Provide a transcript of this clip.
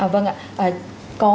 vâng ạ có